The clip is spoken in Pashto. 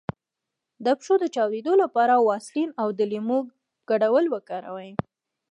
د پښو د چاودیدو لپاره د ویزلین او لیمو ګډول وکاروئ